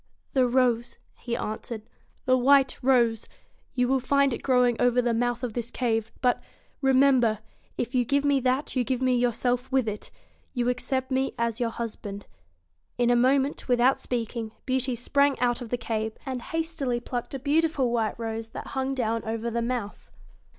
'The rose,' he answered ' the white rose. You G 97 find it growing over the mouth of this cave. remem ber if you give me that, you give me yourself with it You accept me as your husband.' In a moment, without speaking, Beauty sprang out of the cave and hastily plucked a beautiful white rose that hung down over the mouth.